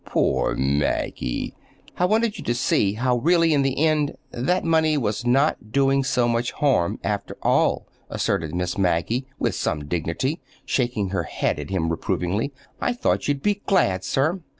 "Poor Maggie!" "I wanted you to see how really, in the end, that money was not doing so much harm, after all," asserted Miss Maggie, with some dignity, shaking her head at him reprovingly. "I thought you'd be glad, sir!"